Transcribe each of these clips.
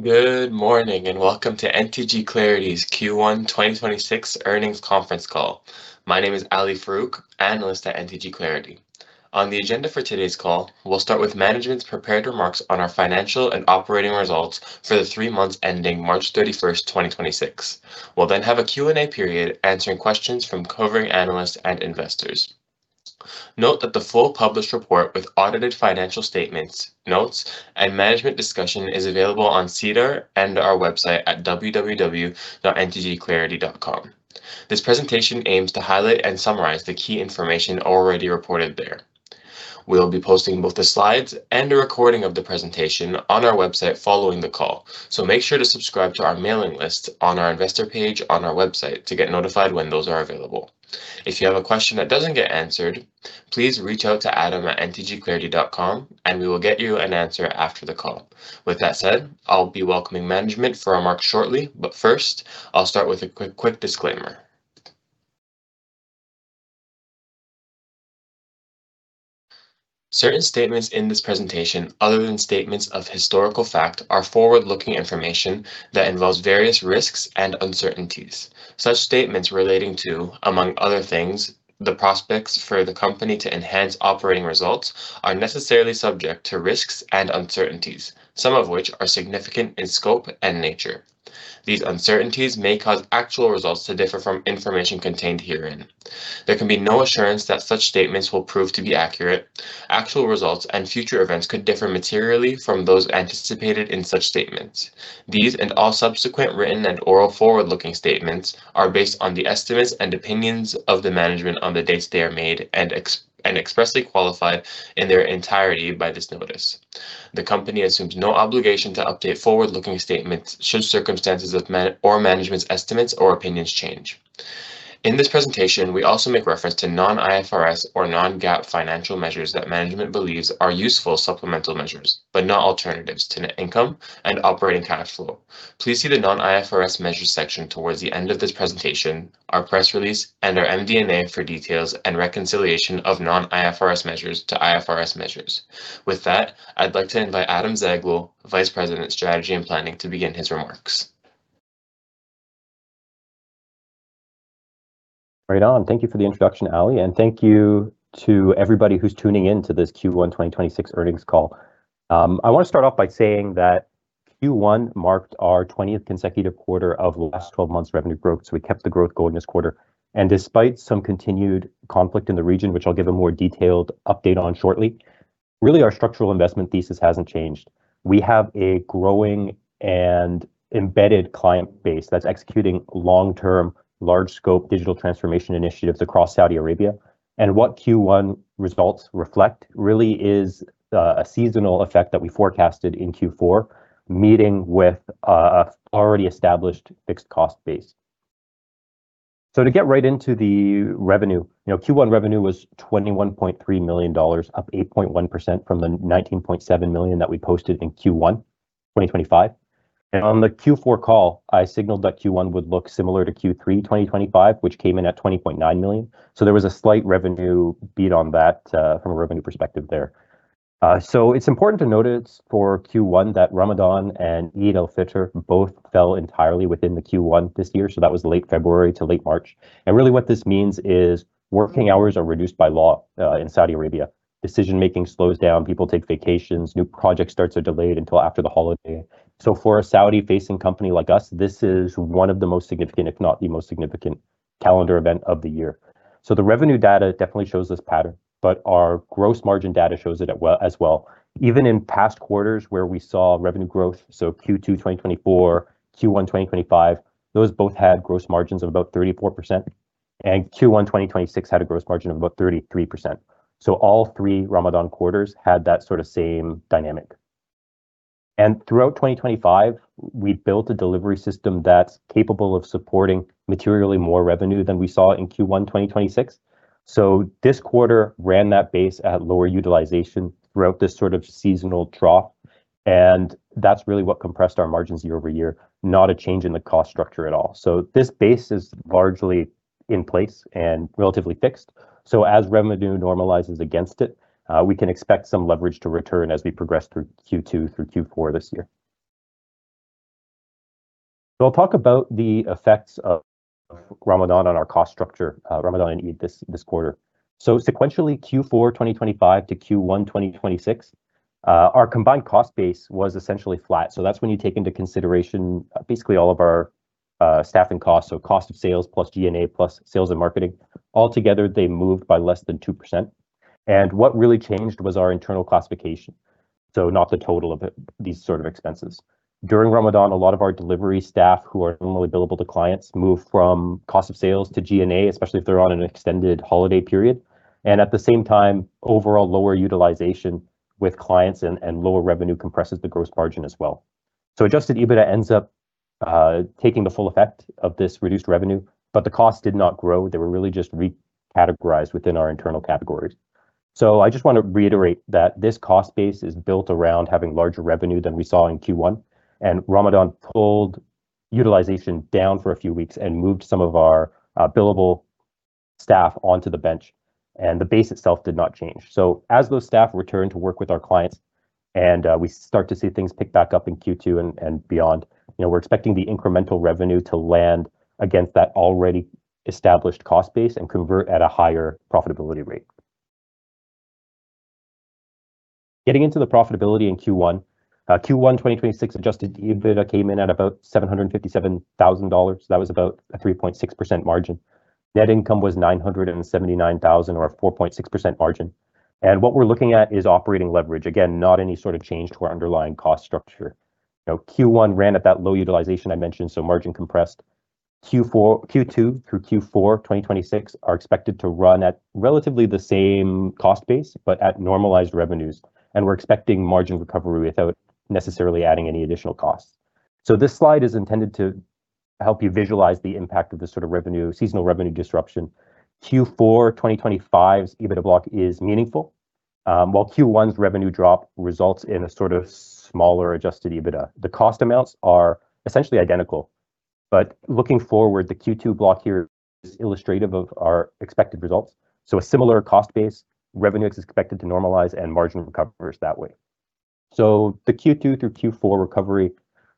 Good morning, and welcome to NTG Clarity's Q1 2026 earnings conference call. My name is Ali Farouk, analyst at NTG Clarity. On the agenda for today's call, we'll start with management's prepared remarks on our financial and operating results for the three months ending March 31st, 2026. We'll have a Q&A period answering questions from covering analysts and investors. Note that the full published report with audited financial statements, notes, and management discussion is available on SEDAR and our website at www.ntgclarity.com. This presentation aims to highlight and summarize the key information already reported there. We'll be posting both the slides and a recording of the presentation on our website following the call. Make sure to subscribe to our mailing list on our investor page on our website to get notified when those are available. If you have a question that doesn't get answered, please reach out to adam@ntgclarity.com and we will get you an answer after the call. With that said, I'll be welcoming management for remarks shortly, but first, I'll start with a quick disclaimer. Certain statements in this presentation, other than statements of historical fact, are forward-looking information that involves various risks and uncertainties. Such statements relating to, among other things, the prospects for the company to enhance operating results are necessarily subject to risks and uncertainties, some of which are significant in scope and nature. These uncertainties may cause actual results to differ from information contained herein. There can be no assurance that such statements will prove to be accurate. Actual results and future events could differ materially from those anticipated in such statements. These, and all subsequent written and oral forward-looking statements, are based on the estimates and opinions of the management on the dates they are made and expressly qualified in their entirety by this notice. The company assumes no obligation to update forward-looking statements should circumstances or management's estimates or opinions change. In this presentation, we also make reference to non-IFRS or non-GAAP financial measures that management believes are useful supplemental measures, but not alternatives to net income and operating cash flow. Please see the non-IFRS measures section towards the end of this presentation, our press release, and our MD&A for details and reconciliation of non-IFRS measures to IFRS measures. With that, I'd like to invite Adam Zaghloul, Vice President of Strategy and Planning, to begin his remarks. Right on. Thank you for the introduction, Ali, and thank you to everybody who's tuning in to this Q1 2026 earnings call. I want to start off by saying that Q1 marked our 20th consecutive quarter of the last 12 months revenue growth. We kept the growth going this quarter. Despite some continued conflict in the region, which I'll give a more detailed update on shortly, really, our structural investment thesis hasn't changed. We have a growing and embedded client base that's executing long-term, large-scope digital transformation initiatives across Saudi Arabia. What Q1 results reflect really is a seasonal effect that we forecasted in Q4, meeting with an already established fixed cost base. To get right into the revenue, Q1 revenue was 21.3 million dollars, up 8.1% from the 19.7 million that we posted in Q1 2025. On the Q4 call, I signaled that Q1 would look similar to Q3 2025, which came in at 20.9 million. There was a slight revenue beat on that from a revenue perspective there. It's important to notice for Q1 that Ramadan and Eid al-Fitr both fell entirely within the Q1 this year, that was late February to late March. Really what this means is working hours are reduced by law in Saudi Arabia. Decision-making slows down. People take vacations. New project starts are delayed until after the holiday. For a Saudi-facing company like us, this is one of the most significant, if not the most significant, calendar event of the year. The revenue data definitely shows this pattern, but our gross margin data shows it as well. Even in past quarters where we saw revenue growth, Q2 2024, Q1 2025, those both had gross margins of about 34%, and Q1 2026 had a gross margin of about 33%. All three Ramadan quarters had that sort of same dynamic. Throughout 2025, we built a delivery system that's capable of supporting materially more revenue than we saw in Q1 2026. This quarter ran that base at lower utilization throughout this sort of seasonal trough, and that's really what compressed our margins year-over-year, not a change in the cost structure at all. This base is largely in place and relatively fixed. As revenue normalizes against it, we can expect some leverage to return as we progress through Q2 through Q4 this year. I'll talk about the effects of Ramadan on our cost structure, Ramadan and Eid this quarter. Sequentially Q4 2025 to Q1 2026, our combined cost base was essentially flat. That's when you take into consideration basically all of our staffing costs, so cost of sales plus G&A, plus sales and marketing. All together, they moved by less than 2%. What really changed was our internal classification. Not the total of these sort of expenses. During Ramadan, a lot of our delivery staff who are normally billable to clients move from cost of sales to G&A, especially if they're on an extended holiday period. At the same time, overall lower utilization with clients and lower revenue compresses the gross margin as well. Adjusted EBITDA ends up taking the full effect of this reduced revenue, but the cost did not grow. They were really just recategorized within our internal categories. So, I just want to reiterate that this cost base is built around having larger revenue than we saw in Q1, and Ramadan pulled utilization down for a few weeks and moved some of our billable staff onto the bench, and the base itself did not change. So, as those staff return to work with our clients and we start to see things pick back up in Q2 and beyond, we're expecting the incremental revenue to land against that already established cost base and convert at a higher profitability rate. Getting into the profitability in Q1. Q1 2026 adjusted EBITDA came in at about 757,000 dollars. That was about a 3.6% margin. Net income was 979,000, or a 4.6% margin. What we're looking at is operating leverage. Again, not any sort of change to our underlying cost structure. Q1 ran at that low utilization I mentioned, so margin compressed. Q2 through Q4 2026 are expected to run at relatively the same cost base, but at normalized revenues, and we're expecting margin recovery without necessarily adding any additional costs. This slide is intended to help you visualize the impact of this sort of seasonal revenue disruption. Q4 2025's EBITDA block is meaningful, while Q1's revenue drop results in a sort of smaller adjusted EBITDA. The cost amounts are essentially identical, but looking forward, the Q2 block here is illustrative of our expected results. A similar cost base, revenue is expected to normalize and margin recovers that way. The Q2 through Q4 recovery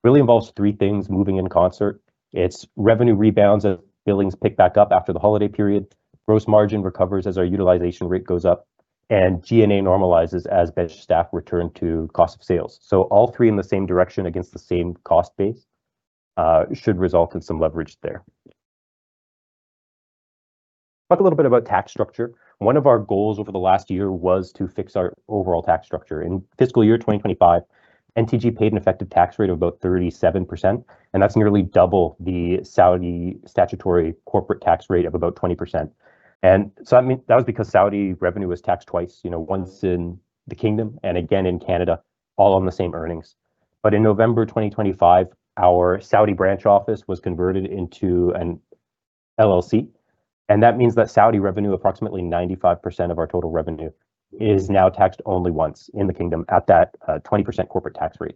really involves three things moving in concert. It's revenue rebounds as billings pick back up after the holiday period, gross margin recovers as our utilization rate goes up, and G&A normalizes as bench staff return to cost of sales. All three in the same direction against the same cost base should result in some leverage there. Talk a little bit about tax structure. One of our goals over the last year was to fix our overall tax structure. In fiscal year 2025, NTG paid an effective tax rate of about 37%, and that's nearly double the Saudi statutory corporate tax rate of about 20%. That was because Saudi revenue was taxed twice, once in the kingdom and again in Canada, all on the same earnings. In November 2025, our Saudi branch office was converted into an LLC, and that means that Saudi revenue, approximately 95% of our total revenue, is now taxed only once in the kingdom at that 20% corporate tax rate.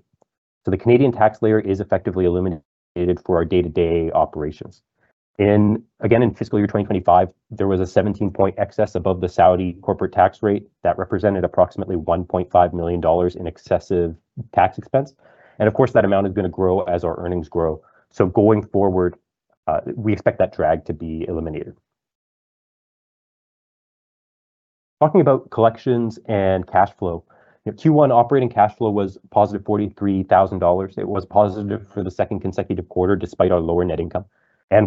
The Canadian tax layer is effectively eliminated for our day-to-day operations. Again, in fiscal year 2025, there was a 17-point excess above the Saudi corporate tax rate that represented approximately 1.5 million dollars in excessive tax expense. Of course, that amount is going to grow as our earnings grow. Going forward, we expect that drag to be eliminated. Talking about collections and cash flow. Q1 operating cash flow was positive 43,000 dollars. It was positive for the second consecutive quarter, despite our lower net income.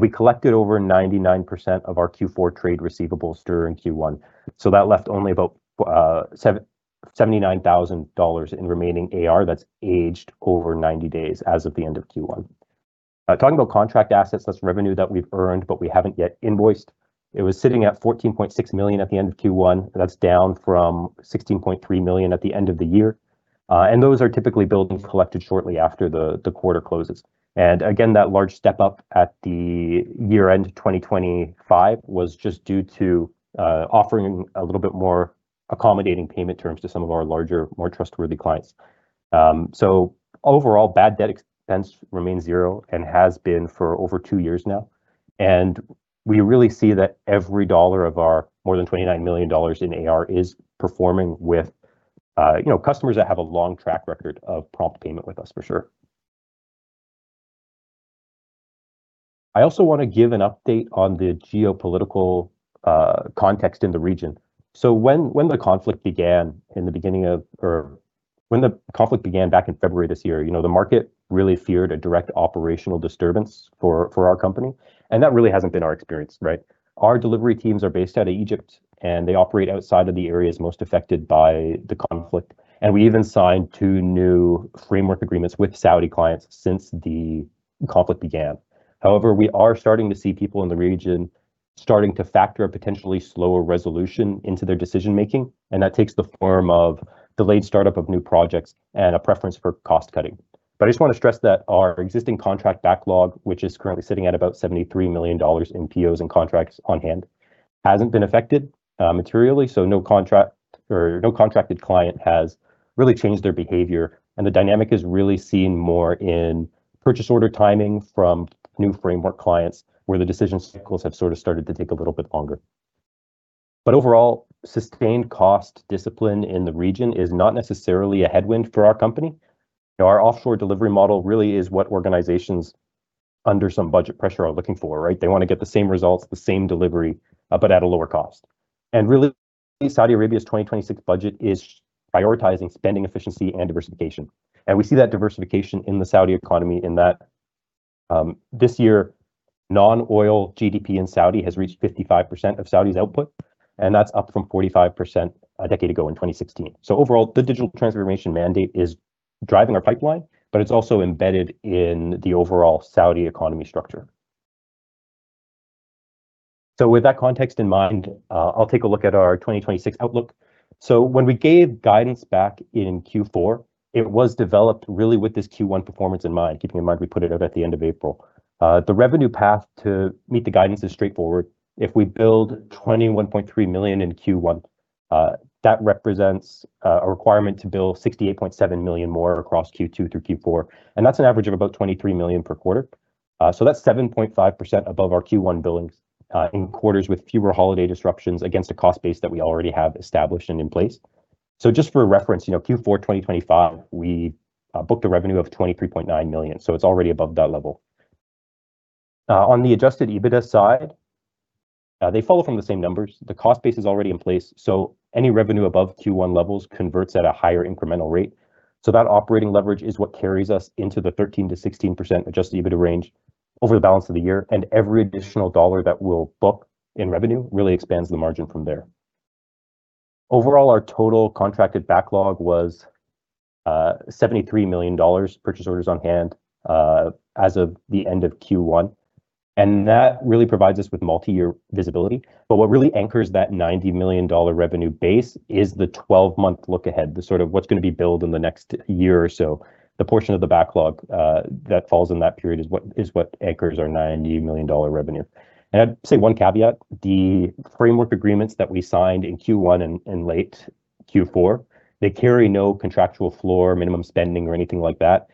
We collected over 99% of our Q4 trade receivables during Q1. That left only about 79,000 dollars in remaining AR that's aged over 90 days as of the end of Q1. Talking about contract assets, that's revenue that we've earned, but we haven't yet invoiced. It was sitting at 14.6 million at the end of Q1. That's down from 16.3 million at the end of the year. Those are typically billed and collected shortly after the quarter closes. Again, that large step-up at the year-end 2025 was just due to offering a little bit more accommodating payment terms to some of our larger, more trustworthy clients. Overall, bad debt expense remains zero and has been for over two years now. We really see that every dollar of our more than 29 million dollars in AR is performing with customers that have a long track record of prompt payment with us, for sure. I also want to give an update on the geopolitical context in the region. When the conflict began back in February this year, the market really feared a direct operational disturbance for our company. That really hasn't been our experience, right? Our delivery teams are based out of Egypt, and they operate outside of the areas most affected by the conflict. We even signed two new framework agreements with Saudi clients since the conflict began. However, we are starting to see people in the region starting to factor a potentially slower resolution into their decision-making, and that takes the form of delayed startup of new projects and a preference for cost-cutting. I just want to stress that our existing contract backlog, which is currently sitting at about 73 million dollars in POs and contracts on hand, hasn't been affected materially. No contracted client has really changed their behavior, and the dynamic is really seen more in purchase order timing from new framework clients, where the decision cycles have sort of started to take a little bit longer. Overall, sustained cost discipline in the region is not necessarily a headwind for our company. Our offshore delivery model really is what organizations under some budget pressure are looking for, right? They want to get the same results, the same delivery, but at a lower cost. Really, Saudi Arabia's 2026 budget is prioritizing spending efficiency and diversification. We see that diversification in the Saudi economy in that this year, non-oil GDP in Saudi has reached 55% of Saudi's output, and that's up from 45% a decade ago in 2016. Overall, the digital transformation mandate is driving our pipeline, but it's also embedded in the overall Saudi economy structure. With that context in mind, I'll take a look at our 2026 outlook. When we gave guidance back in Q4, it was developed really with this Q1 performance in mind, keeping in mind we put it out at the end of April. The revenue path to meet the guidance is straightforward. If we bill 21.3 million in Q1, that represents a requirement to bill 68.7 million more across Q2 through Q4, and that's an average of about 23 million per quarter. That's 7.5% above our Q1 billings in quarters with fewer holiday disruptions against a cost base that we already have established and in place. Just for reference, Q4 2025, we booked a revenue of 23.9 million, so it's already above that level. On the adjusted EBITDA side, they follow from the same numbers. The cost base is already in place, any revenue above Q1 levels converts at a higher incremental rate. That operating leverage is what carries us into the 13%-16% adjusted EBITDA range over the balance of the year. Every additional CAD that we'll book in revenue really expands the margin from there. Overall, our total contracted backlog was 73 million dollars purchase orders on hand as of the end of Q1, and that really provides us with multi-year visibility. What really anchors that 90 million dollar revenue base is the 12-month look ahead, the sort of what's going to be billed in the next year or so. The portion of the backlog that falls in that period is what anchors our 90 million dollar revenue. I'd say one caveat, the framework agreements that we signed in Q1 and late Q4, they carry no contractual floor minimum spending or anything like that.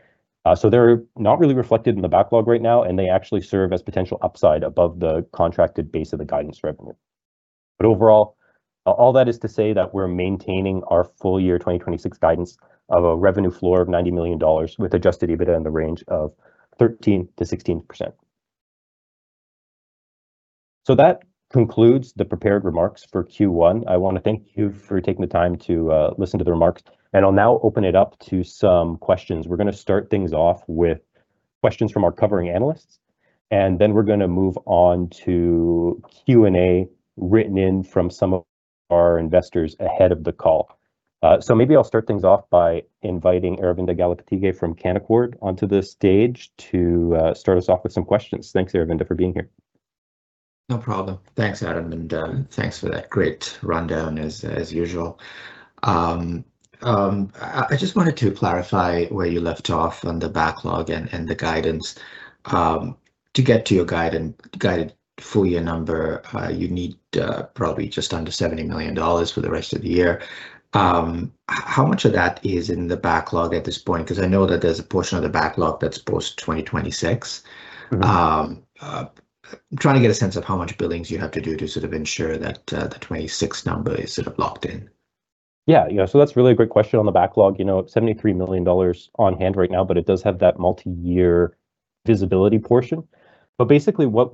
They're not really reflected in the backlog right now, and they actually serve as potential upside above the contracted base of the guidance revenue. Overall, all that is to say that we're maintaining our full year 2026 guidance of a revenue floor of 90 million dollars with adjusted EBITDA in the range of 13%-16%. That concludes the prepared remarks for Q1. I want to thank you for taking the time to listen to the remarks, and I'll now open it up to some questions. We're going to start things off with questions from our covering analysts, and then we're going to move on to Q&A written in from some of our investors ahead of the call. Maybe I'll start things off by inviting Aravinda Galappatthige from Canaccord onto the stage to start us off with some questions. Thanks, Aravinda, for being here. No problem. Thanks, Adam, and thanks for that great rundown as usual. I just wanted to clarify where you left off on the backlog and the guidance. To get to your guided full-year number, you need probably just under 70 million dollars for the rest of the year. How much of that is in the backlog at this point? Because I know that there's a portion of the backlog that's post-2026. I'm trying to get a sense of how much billings you have to do to sort of ensure that the 2026 number is sort of locked in. Yeah. That's really a great question on the backlog. 73 million dollars on hand right now, but it does have that multi-year visibility portion. Basically, what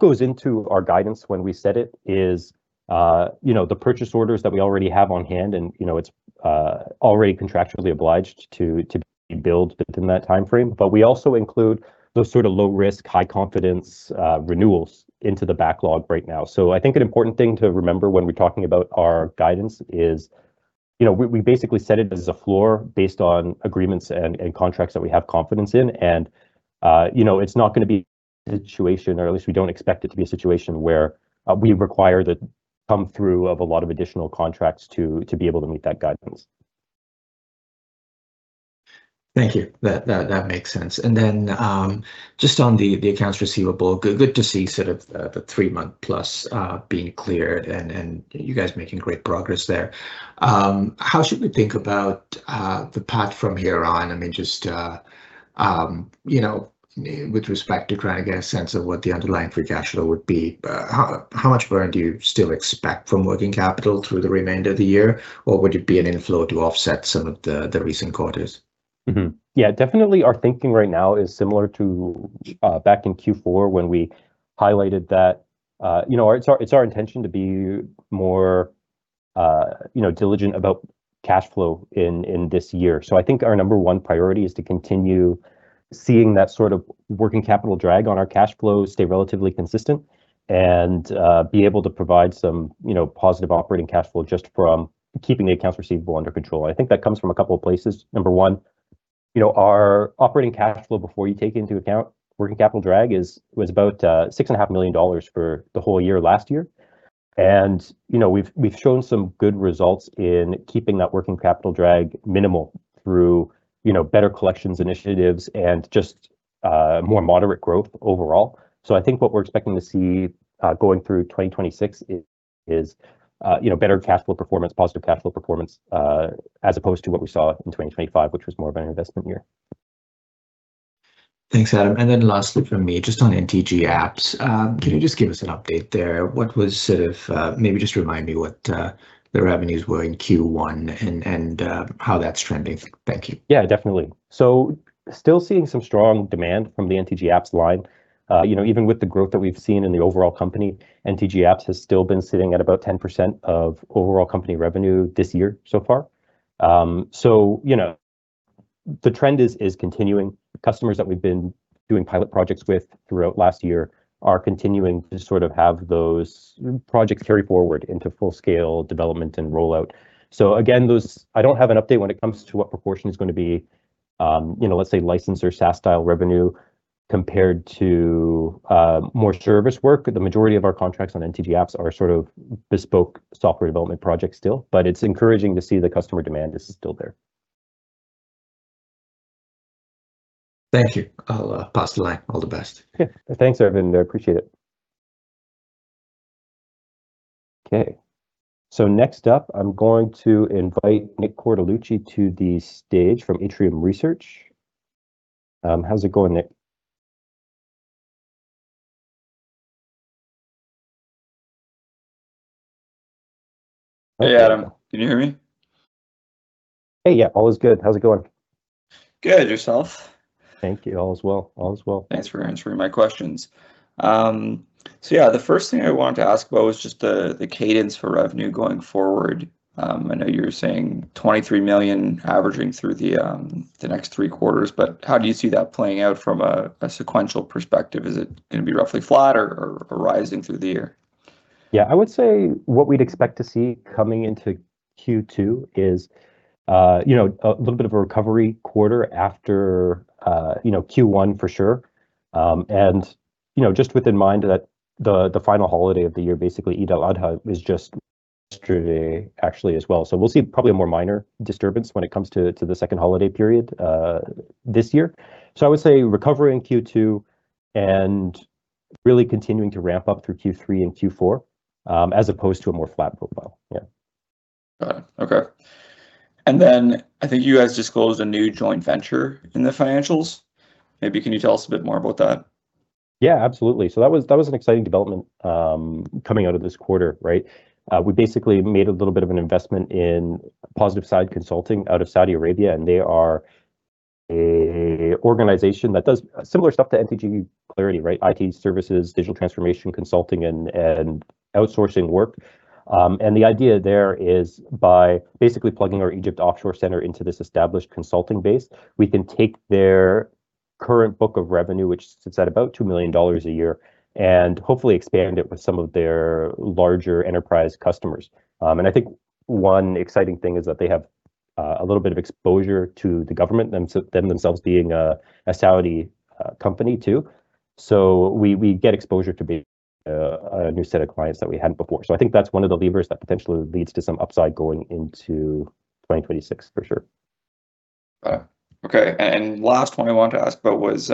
goes into our guidance when we set it is the purchase orders that we already have on hand and it's already contractually obliged to be billed within that timeframe. We also include those sort of low risk, high confidence renewals into the backlog right now. I think an important thing to remember when we're talking about our guidance is we basically set it as a floor based on agreements and contracts that we have confidence in. It's not going to be a situation, or at least we don't expect it to be a situation, where we require the come through of a lot of additional contracts to be able to meet that guidance. Thank you. That makes sense. Just on the Accounts Receivable, good to see sort of the three-month plus, being cleared and you guys making great progress there. How should we think about the path from here on? I mean, just with respect to trying to get a sense of what the underlying free cash flow would be, how much more do you still expect from working capital through the remainder of the year? Would it be an inflow to offset some of the recent quarters? Mm-hmm. Yeah, definitely our thinking right now is similar to back in Q4 when we highlighted that it's our intention to be more diligent about cash flow in this year. I think our number one priority is to continue seeing that sort of working capital drag on our cash flows stay relatively consistent and be able to provide some positive operating cash flow just from keeping the accounts receivable under control. I think that comes from a couple of places. Number one, our operating cash flow before you take into account working capital drag was about 6.5 million dollars for the whole year last year. We've shown some good results in keeping that working capital drag minimal through better collections initiatives and just more moderate growth overall. I think what we're expecting to see, going through 2026 is better cash flow performance, positive cash flow performance, as opposed to what we saw in 2025, which was more of an investment year. Thanks, Adam. Lastly from me, just on NTGapps. Can you just give us an update there? Maybe just remind me what the revenues were in Q1 and how that's trending. Thank you. Yeah, definitely. Still seeing some strong demand from the NTGapps line. Even with the growth that we've seen in the overall company, NTGapps has still been sitting at about 10% of overall company revenue this year so far. The trend is continuing. Customers that we've been doing pilot projects with throughout last year are continuing to sort of have those projects carry forward into full scale development and rollout. Again, I don't have an update when it comes to what proportion is going to be, let's say license or SaaS style revenue compared to more service work. The majority of our contracts on NTGapps are sort of bespoke software development projects still, but it's encouraging to see the customer demand is still there. Thank you. I'll pass along all the best. Okay. Thanks, Aravinda. I appreciate it. Okay, next up I'm going to invite Nick Cortellucci to the stage from Atrium Research. How's it going, Nick? Hey, Adam, can you hear me? Hey, yeah, all is good. How's it going? Good. Yourself? Thank you. All is well. Thanks for answering my questions. Yeah, the first thing I wanted to ask about was just the cadence for revenue going forward. I know you were saying 23 million averaging through the next three quarters, how do you see that playing out from a sequential perspective? Is it going to be roughly flat or rising through the year? Yeah, I would say what we'd expect to see coming into Q2 is a little bit of a recovery quarter after Q1, for sure. Just within mind that the final holiday of the year, basically Eid al-Adha, was just yesterday, actually, as well. We'll see probably a more minor disturbance when it comes to the second holiday period this year. I would say recovery in Q2 and really continuing to ramp up through Q3 and Q4, as opposed to a more flat profile. Yeah. Got it. Okay. I think you guys disclosed a new joint venture in the financials. Maybe can you tell us a bit more about that? Yeah, absolutely. That was an exciting development coming out of this quarter, right? We basically made a little bit of an investment in Positive Side Consulting out of Saudi Arabia, and they are an organization that does similar stuff to NTG Clarity, right? IT services, digital transformation consulting, and outsourcing work. The idea there is by basically plugging our Egypt offshore center into this established consulting base, we can take their current book of revenue, which sits at about 2 million dollars a year, and hopefully expand it with some of their larger enterprise customers. I think one exciting thing is that they have a little bit of exposure to the government, them themselves being a Saudi company, too. We get exposure to a new set of clients that we hadn't before. I think that's one of the levers that potentially leads to some upside going into 2026 for sure. Got it. Okay. Last one I wanted to ask about was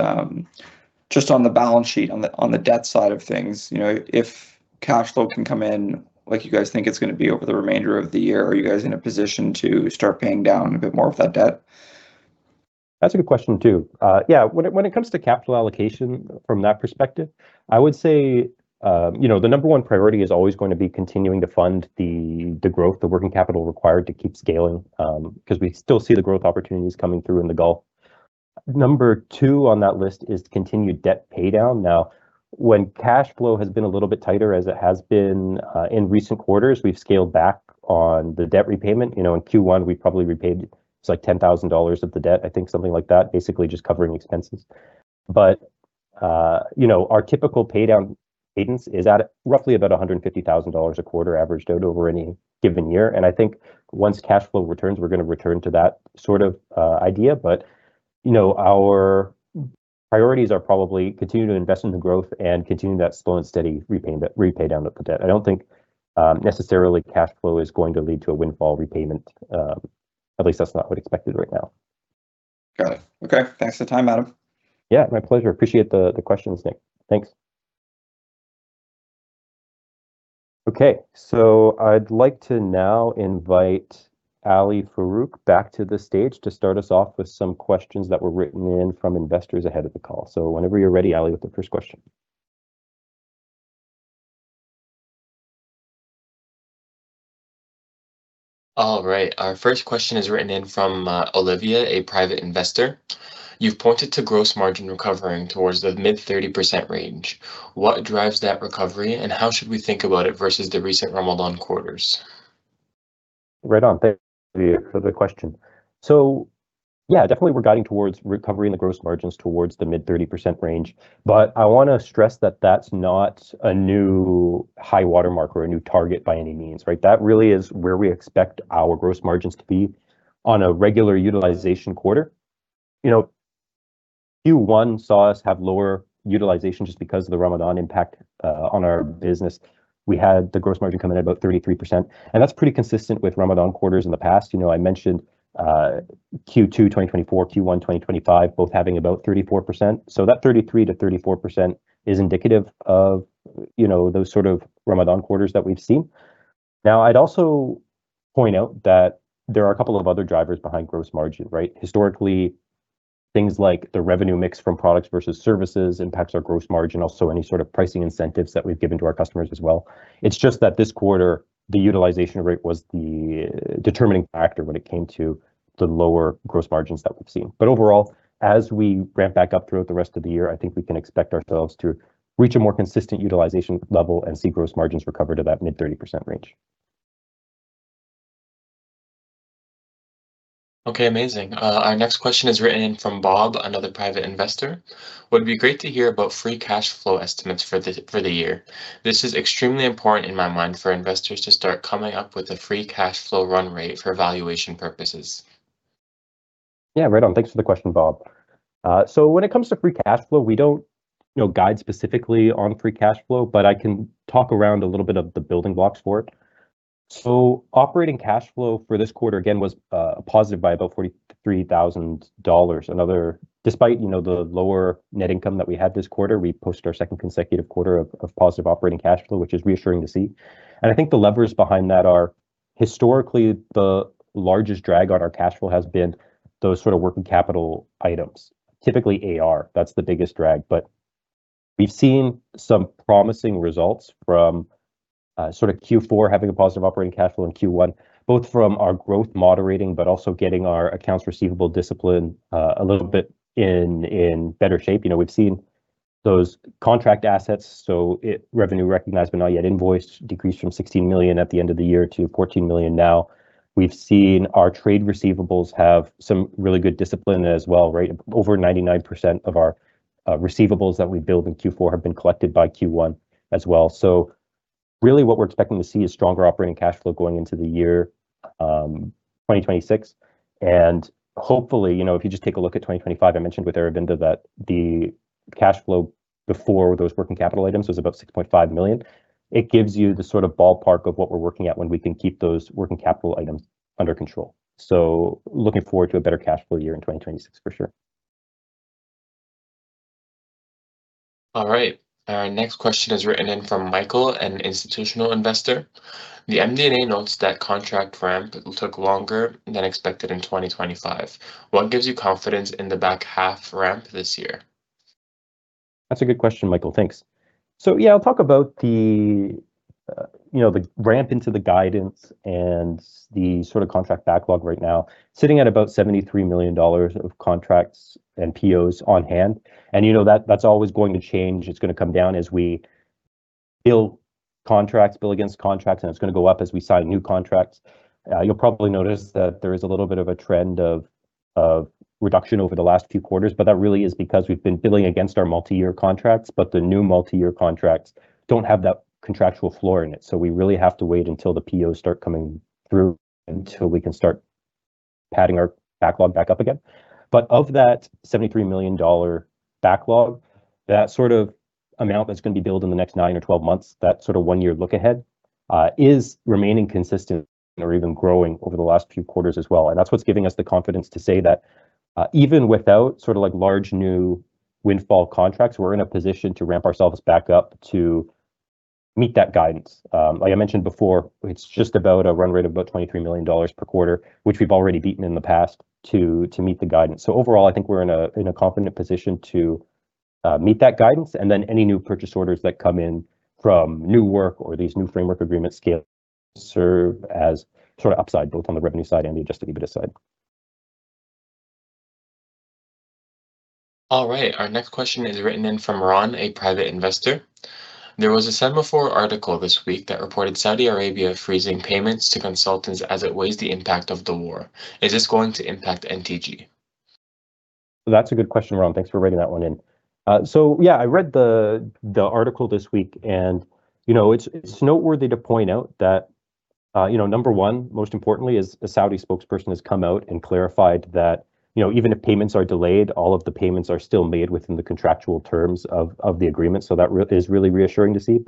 just on the balance sheet, on the debt side of things. If cash flow can come in like you guys think it's going to be over the remainder of the year, are you guys in a position to start paying down a bit more of that debt? That's a good question, too. Yeah. When it comes to capital allocation from that perspective, I would say, the number one priority is always going to be continuing to fund the growth, the working capital required to keep scaling, because we still see the growth opportunities coming through in the Gulf. Number two on that list is continued debt paydown. When cash flow has been a little bit tighter, as it has been in recent quarters, we've scaled back on the debt repayment. In Q1, we probably repaid, it's like 10,000 dollars of the debt, I think something like that. Basically just covering expenses, but, you know, our typical paydown cadence is at roughly about 150,000 dollars a quarter averaged out over any given year. I think once cash flow returns, we're going to return to that sort of idea. Our priorities are probably continue to invest in the growth and continue that slow and steady repay down of the debt. I don't think necessarily cash flow is going to lead to a windfall repayment. At least that's not what we expected right now. Got it. Okay. Thanks for the time, Adam. Yeah, my pleasure. Appreciate the questions, Nick. Thanks. Okay, I'd like to now invite Ali Farouk back to the stage to start us off with some questions that were written in from investors ahead of the call. Whenever you're ready, Ali, with the first question. All right, our first question is written in from Olivia, a private investor. "You've pointed to gross margin recovering towards the mid-30% range. What drives that recovery, and how should we think about it versus the recent Ramadan quarters?" Right on. Thank you for the question. Yeah, definitely we're guiding towards recovery in the gross margins towards the mid-30% range, but I want to stress that that's not a new high water mark or a new target by any means, right? That really is where we expect our gross margins to be on a regular utilization quarter. You know, Q1 saw us have lower utilization just because of the Ramadan impact on our business. We had the gross margin come in about 33%, and that's pretty consistent with Ramadan quarters in the past. I mentioned Q2 2024, Q1 2025, both having about 34%. That 33%-34% is indicative of, you know, those sort of Ramadan quarters that we've seen. I'd also point out that there are a couple of other drivers behind gross margin, right? Historically, things like the revenue mix from products versus services impacts our gross margin. Any sort of pricing incentives that we've given to our customers as well. It's just that this quarter, the utilization rate was the determining factor when it came to the lower gross margins that we've seen. Overall, as we ramp back up throughout the rest of the year, I think we can expect ourselves to reach a more consistent utilization level and see gross margins recover to that mid-30% range. Okay, amazing. Our next question is written in from Bob, another private investor. "Would be great to hear about free cash flow estimates for the year. This is extremely important in my mind for investors to start coming up with a free cash flow run rate for valuation purposes." Yeah, right on. Thanks for the question, Bob. When it comes to free cash flow, we don't guide specifically on free cash flow, but I can talk around a little bit of the building blocks for it. Operating cash flow for this quarter, again, was a positive by about 43,000 dollars. Despite the lower net income that we had this quarter, we posted our second consecutive quarter of positive operating cash flow, which is reassuring to see. I think the levers behind that are, historically, the largest drag on our cash flow has been those sort of working capital items. Typically AR, that's the biggest drag. We've seen some promising results from Q4 having a positive operating cash flow in Q1, both from our growth moderating, but also getting our accounts receivable discipline a little bit in better shape. We've seen those contract assets, so revenue recognized but not yet invoiced, decreased from 16 million at the end of the year to 14 million now. We've seen our trade receivables have some really good discipline as well. Over 99% of our receivables that we billed in Q4 have been collected by Q1 as well. Really what we're expecting to see is stronger operating cash flow going into the year 2026. Hopefully, if you just take a look at 2025, I mentioned with Aravinda that the cash flow before those working capital items was about 6.5 million. It gives you the sort of ballpark of what we're working at when we can keep those working capital items under control. So, looking forward to a better cash flow year in 2026 for sure. All right. Our next question is written in from Michael, an institutional investor. "The MD&A notes that contract ramp took longer than expected in 2025. What gives you confidence in the back half ramp this year?" That's a good question, Michael. Thanks. Yeah, I'll talk about the ramp into the guidance and the sort of contract backlog right now, sitting at about 73 million dollars of contracts and POs on hand. You know that's always going to change. It's going to come down as we bill contracts, bill against contracts, and it's going to go up as we sign new contracts. You'll probably notice that there is a little bit of a trend of reduction over the last few quarters, but that really is because we've been billing against our multi-year contracts, but the new multi-year contracts don't have that contractual floor in it. We really have to wait until the POs start coming through until we can start padding our backlog back up again. Of that 73 million dollar backlog, that sort of amount that's going to be billed in the next nine or 12 months, that sort of one-year look ahead, is remaining consistent or even growing over the last few quarters as well. That's what's giving us the confidence to say that even without large new windfall contracts, we're in a position to ramp ourselves back up to meet that guidance. Like I mentioned before, it's just about a run rate of about 23 million dollars per quarter, which we've already beaten in the past to meet the guidance. Overall, I think we're in a confident position to meet that guidance, and then any new purchase orders that come in from new work or these new framework agreement scales serve as sort of upside, both on the revenue side and the adjusted EBITDA side. All right. Our next question is written in from Ron, a private investor. "There was a Semafor article this week that reported Saudi Arabia freezing payments to consultants as it weighs the impact of the war. Is this going to impact NTG?" That's a good question, Ron. Thanks for writing that one in. Yeah, I read the article this week, and it's noteworthy to point out that, number one, most importantly is a Saudi spokesperson has come out and clarified that even if payments are delayed, all of the payments are still made within the contractual terms of the agreement. That is really reassuring to see.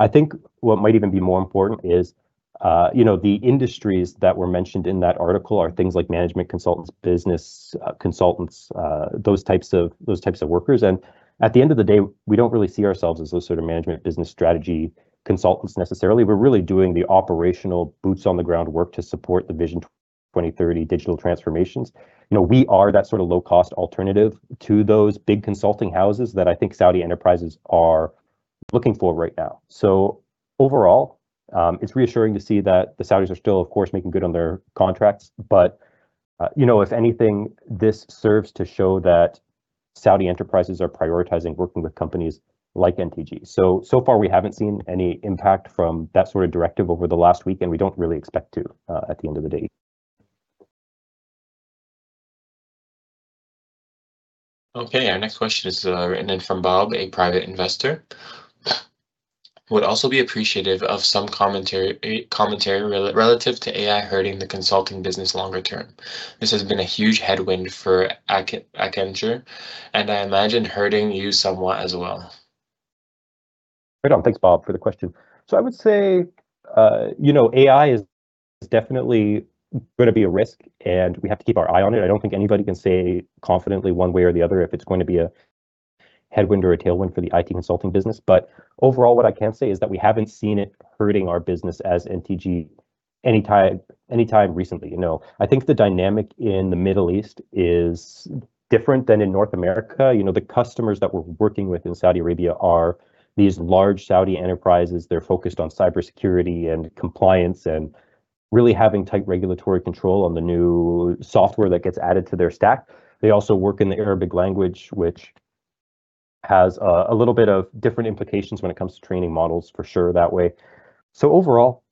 I think what might even be more important is the industries that were mentioned in that article are things like management consultants, business consultants, those types of workers. At the end of the day, we don't really see ourselves as those sort of management business strategy consultants necessarily. We're really doing the operational boots-on-the-ground work to support the Vision 2030 digital transformations. We are that sort of low-cost alternative to those big consulting houses that I think Saudi enterprises are looking for right now. Overall, it's reassuring to see that the Saudis are still, of course, making good on their contracts. If anything, this serves to show that Saudi enterprises are prioritizing working with companies like NTG. So far we haven't seen any impact from that sort of directive over the last week, and we don't really expect to at the end of the day. Okay, our next question is written in from Bob, a private investor. "Would also be appreciative of some commentary relative to AI hurting the consulting business longer term. This has been a huge headwind for Accenture, and I imagine hurting you somewhat as well." Right on. Thanks, Bob, for the question. I would say AI is definitely going to be a risk, and we have to keep our eye on it. I don't think anybody can say confidently one way or the other if it's going to be a headwind or a tailwind for the IT consulting business. Overall, what I can say is that we haven't seen it hurting our business as NTG anytime recently. I think the dynamic in the Middle East is different than in North America. The customers that we're working with in Saudi Arabia are these large Saudi enterprises. They're focused on cybersecurity and compliance and really having tight regulatory control on the new software that gets added to their stack. They also work in the Arabic language, which has a little bit of different implications when it comes to training models for sure that way. Overall,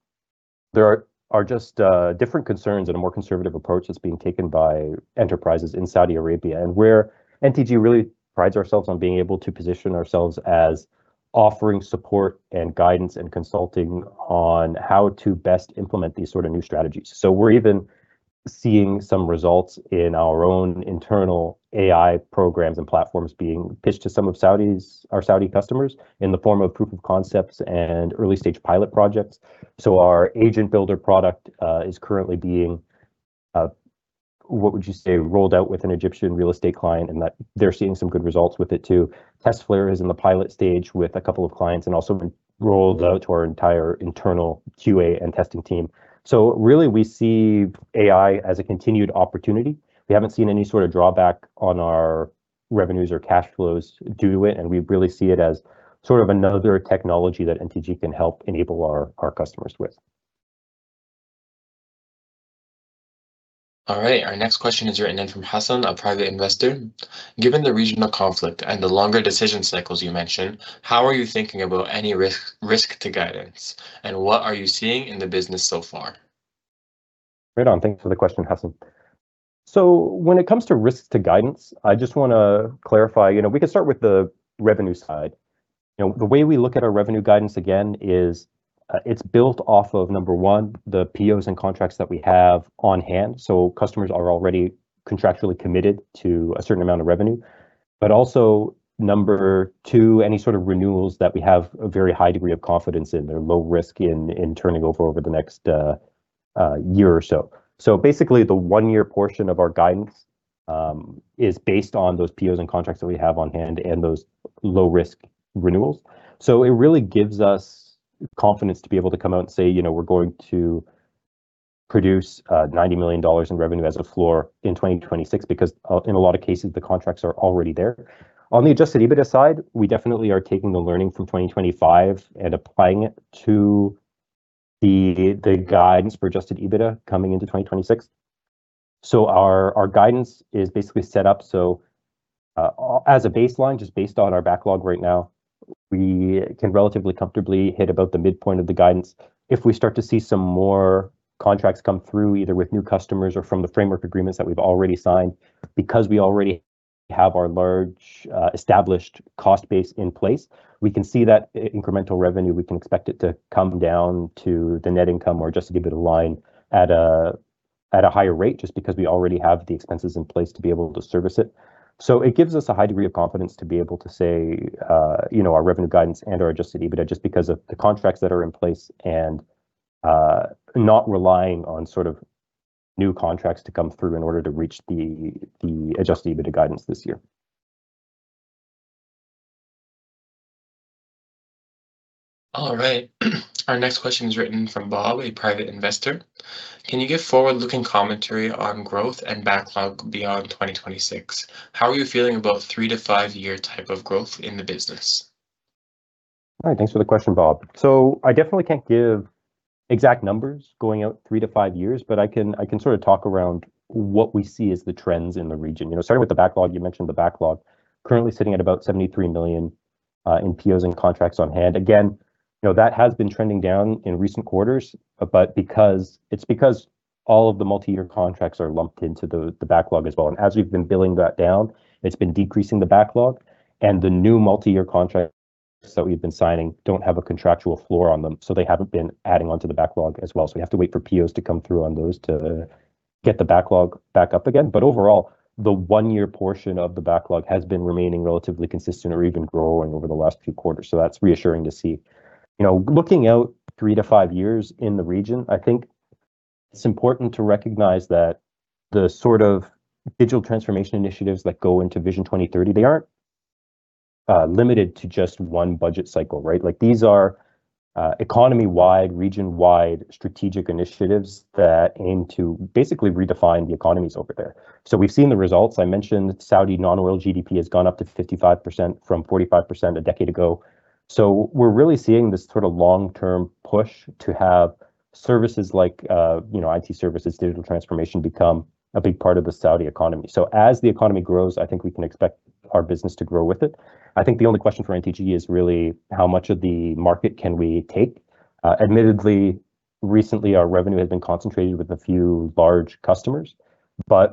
there are just different concerns and a more conservative approach that's being taken by enterprises in Saudi Arabia, and where NTG really prides ourselves on being able to position ourselves as offering support and guidance and consulting on how to best implement these sorts of new strategies. We're even seeing some results in our own internal AI programs and platforms being pitched to some of our Saudi customers in the form of proof of concepts and early-stage pilot projects. Our The Agent Builder product is currently being, what would you say, rolled out with an Egyptian real estate client, and they're seeing some good results with it, too. TestFlair is in the pilot stage with a couple of clients, and also been rolled out to our entire internal QA and testing team. Really, we see AI as a continued opportunity. We haven't seen any sort of drawback on our revenues or cash flows due to it, and we really see it as sort of another technology that NTG can help enable our customers with. All right. Our next question is written in from Hassan, a private investor. "Given the regional conflict and the longer decision cycles you mentioned, how are you thinking about any risk to guidance, and what are you seeing in the business so far?" Right on. Thanks for the question, Hassan. When it comes to risks to guidance, I just want to clarify. We can start with the revenue side. The way we look at our revenue guidance again is, it's built off of, number 1, the POs and contracts that we have on hand, so customers are already contractually committed to a certain amount of revenue. Also, number 2, any sort of renewals that we have a very high degree of confidence in. They're low risk in turning over the next year or so. Basically, the one-year portion of our guidance is based on those POs and contracts that we have on hand and those low-risk renewals. It really gives us confidence to be able to come out and say, "We're going to produce 90 million dollars in revenue as a floor in 2026," because in a lot of cases, the contracts are already there. On the adjusted EBITDA side, we definitely are taking the learning from 2025 and applying it to the guidance for adjusted EBITDA coming into 2026. Our guidance is basically set up so, as a baseline, just based on our backlog right now, we can relatively comfortably hit about the midpoint of the guidance. If we start to see some more contracts come through, either with new customers or from the framework agreements that we've already signed, because we already have our large established cost base in place, we can see that incremental revenue. We can expect it to come down to the net income or adjusted EBITDA line at a higher rate, just because we already have the expenses in place to be able to service it. It gives us a high degree of confidence to be able to say our revenue guidance and our adjusted EBITDA, just because of the contracts that are in place and not relying on sort of new contracts to come through in order to reach the adjusted EBITDA guidance this year. All right. Our next question is written from Bob, a private investor. "Can you give forward-looking commentary on growth and backlog beyond 2026? How are you feeling about three-to-five-year type of growth in the business?" All right. Thanks for the question, Bob. I definitely can't give exact numbers going out three to five years, but I can sort of talk around what we see as the trends in the region. Starting with the backlog, you mentioned the backlog currently sitting at about 73 million in POs and contracts on hand. Again, that has been trending down in recent quarters, but it's because all of the multi-year contracts are lumped into the backlog as well. As we've been billing that down, it's been decreasing the backlog, the new multi-year contracts that we've been signing don't have a contractual floor on them, they haven't been adding onto the backlog as well. We have to wait for POs to come through on those to get the backlog back up again. Overall, the one-year portion of the backlog has been remaining relatively consistent or even growing over the last few quarters, so that's reassuring to see. Looking out three to five years in the region, I think it's important to recognize that the sort of digital transformation initiatives that go into Vision 2030, they aren't limited to just one budget cycle, right? These are economy-wide, region-wide strategic initiatives that aim to basically redefine the economies over there. We've seen the results. I mentioned Saudi non-oil GDP has gone up to 55% from 45% a decade ago. We're really seeing this sort of long-term push to have services like IT services, digital transformation become a big part of the Saudi economy. As the economy grows, I think we can expect our business to grow with it. I think the only question for NTG is really, how much of the market can we take?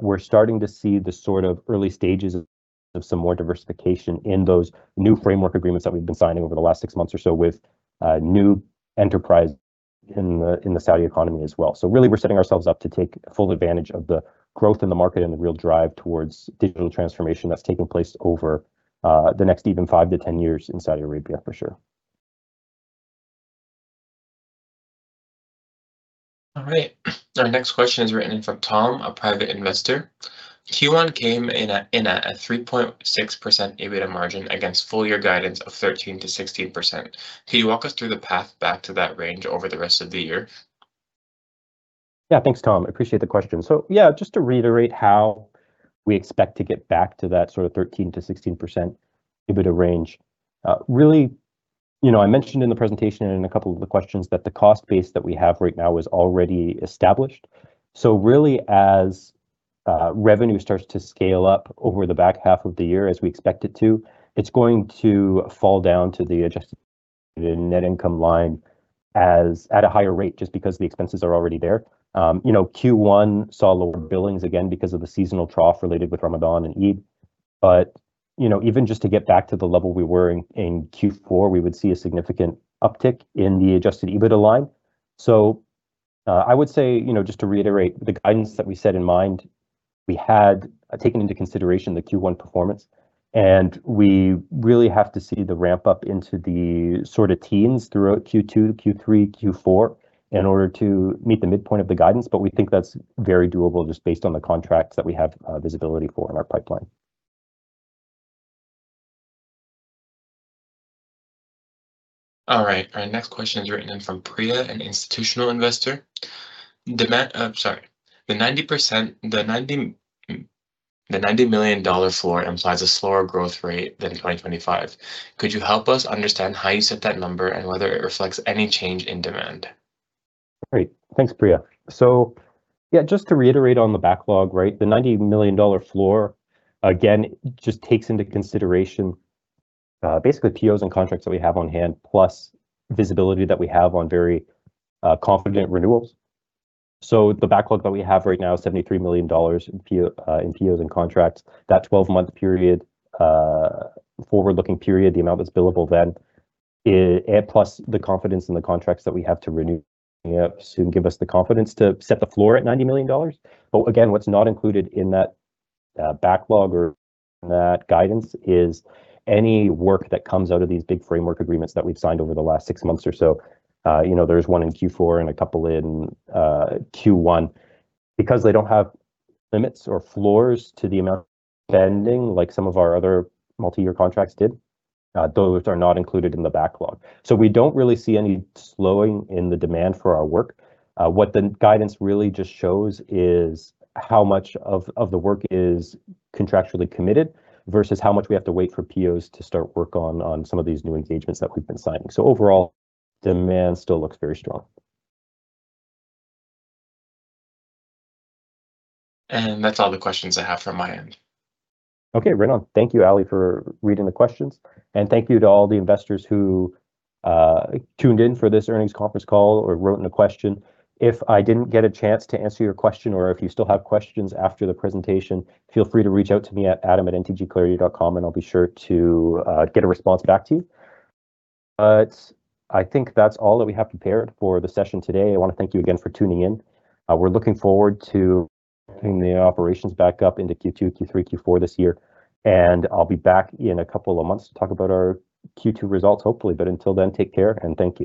We're starting to see the sort of early stages of some more diversification in those new framework agreements that we've been signing over the last six months or so with new enterprise in the Saudi economy as well. Really, we're setting ourselves up to take full advantage of the growth in the market and the real drive towards digital transformation that's taking place over the next even five to 10 years in Saudi Arabia, for sure. All right. Our next question is written in from Tom, a private investor. "Q1 came in at a 3.6% EBITDA margin against full year guidance of 13%-16%. Can you walk us through the path back to that range over the rest of the year?" Thanks, Tom. I appreciate the question. Just to reiterate how we expect to get back to that sort of 13%-16% EBITDA range. I mentioned in the presentation and in a couple of the questions that the cost base that we have right now is already established. As revenue starts to scale up over the back half of the year, as we expect it to, it's going to fall down to the adjusted net income line at a higher rate, just because the expenses are already there. Q1 saw lower billings again because of the seasonal trough related with Ramadan and Eid. Even just to get back to the level we were in Q4, we would see a significant uptick in the adjusted EBITDA line. I would say, just to reiterate, the guidance that we set in mind, we had taken into consideration the Q1 performance, and we really have to see the ramp up into the sort of teens throughout Q2, Q3, Q4 in order to meet the midpoint of the guidance. We think that's very doable just based on the contracts that we have visibility for in our pipeline. All right. Our next question is written in from Priya, an institutional investor. Sorry. "The 90 million dollar floor implies a slower growth rate than 2025. Could you help us understand how you set that number and whether it reflects any change in demand?" Great. Thanks, Priya. Yeah, just to reiterate on the backlog, right? The 90 million dollar floor, again, just takes into consideration basically POs and contracts that we have on hand, plus visibility that we have on very confident renewals. The backlog that we have right now is 73 million dollars in POs and contracts. That 12-month period, forward-looking period, the amount that's billable then, plus the confidence in the contracts that we have to renew soon give us the confidence to set the floor at 90 million dollars. Again, what's not included in that backlog or that guidance is any work that comes out of these big framework agreements that we've signed over the last six months or so. There's one in Q4 and a couple in Q1. They don't have limits or floors to the amount pending like some of our other multiyear contracts did, those are not included in the backlog. We don't really see any slowing in the demand for our work. What the guidance really just shows is how much of the work is contractually committed versus how much we have to wait for POs to start work on some of these new engagements that we've been signing. Overall, demand still looks very strong. That's all the questions I have from my end. Okay, right on. Thank you, Ali, for reading the questions. Thank you to all the investors who tuned in for this earnings conference call or wrote in a question. If I didn't get a chance to answer your question or if you still have questions after the presentation, feel free to reach out to me at adam@ntgclarity.com and I'll be sure to get a response back to you. I think that's all that we have prepared for the session today. I want to thank you again for tuning in. We're looking forward to getting the operations back up into Q2, Q3, Q4 this year. I'll be back in a couple of months to talk about our Q2 results, hopefully. Until then, take care, and thank you.